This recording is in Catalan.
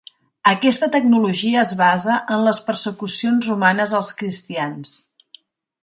Aquesta tecnologia es basa en les persecucions romanes als cristians.